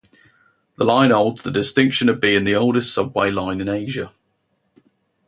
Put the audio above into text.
The line holds the distinction of being the oldest subway line in Asia.